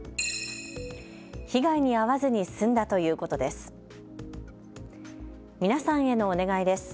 被害に遭わずに済んだということです。